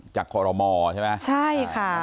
จากคอโรมอล์ใช่ไหมใช่ค่ะ